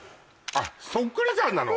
あっそっくりさんなの？